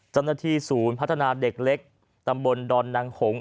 เจ้าหน้าที่ศูนย์พัฒนาเด็กเล็กตำบลดอนนางหง